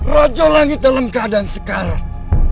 raja langit dalam keadaan sekarang